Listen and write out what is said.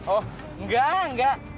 oh enggak enggak